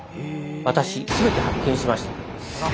私すべて発見しました！